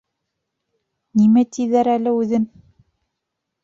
Нимә тиҙәр әле үҙен?